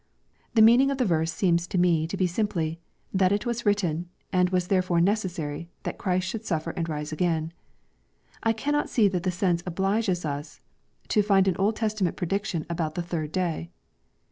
The meaning of the verse seems to me to be simply, '* that it was written, and was therefore necessary, that Christ should suffer and rise again." I cannot see that the sense obliges us to find an Old Testament prediction about the third day.